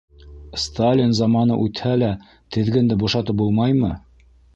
Сталин заманы үтһә лә теҙгенде бушатып булмаймы?